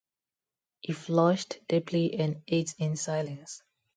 He flushed deeply, and ate in silence.